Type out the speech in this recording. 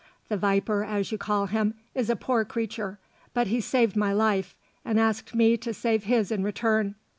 The viper, as you call him, is a poor creature; but he saved my life, and asked me to save his in return.